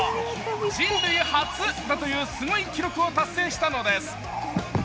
人類初だというすごい記録を達成したのです。